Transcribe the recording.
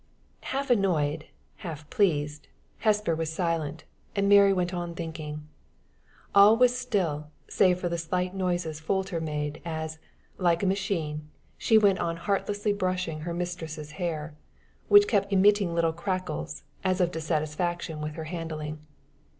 Half annoyed, half pleased, Hesper was silent, and Mary went on thinking. All was still, save for the slight noises Folter made, as, like a machine, she went on heartlessly brushing her mistress's hair, which kept emitting little crackles, as of dissatisfaction with her handling.